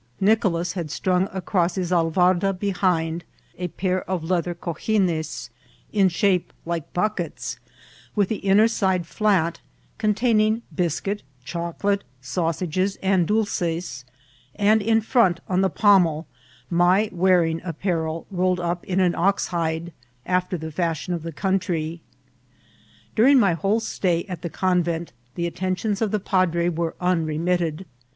Nicolas had stnmg across his alvarda behind a pair of leather ccrfiines, ia shape like buckets, with the inner side flat, containing biscuit, chocolate, sausages, and dolces, and in front, on the pommel, my wearing apparel rolled up in an ox hide, after the fashion of the country. During my whole stay at the convent the attentions of the padre were unremitted.